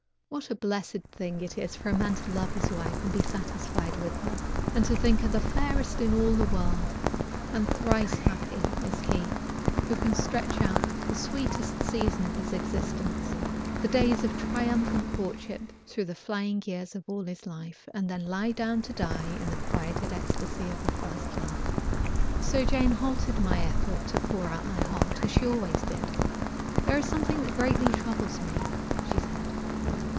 What a blessed thing it is for a man to love his wife and be satisfied with her, and to think her the fairest being in all the world; and how thrice happy is he who can stretch out the sweetest season of his existence, the days of triumphant courtship, through the flying years of all his life, and then lie down to die in the quieted ecstasy of a first love. So Jane halted my effort to pour out my heart, as she always did. "There is something that greatly troubles me," she said.